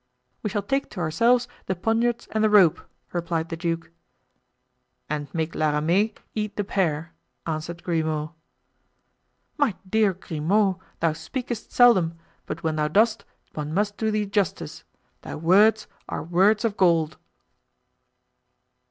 "We shall take to ourselves the poniards and the rope," replied the duke. "And make La Ramee eat the pear," answered Grimaud. "My dear Grimaud, thou speakest seldom, but when thou dost, one must do thee justice—thy words are words of gold."